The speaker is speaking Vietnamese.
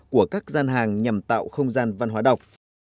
của các gian hàng nhằm tạo không gian văn hóa đọc